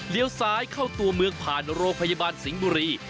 ซ้ายเข้าตัวเมืองผ่านโรงพยาบาลสิงห์บุรี